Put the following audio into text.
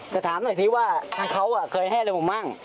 แต่ถามหน่อยสิว่าเขาเคยให้เลวมึงบ้าง